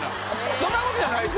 そういうことじゃないです